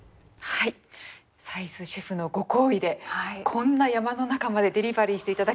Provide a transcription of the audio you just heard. はい斉須シェフのご厚意でこんな山の中までデリバリーして頂きました。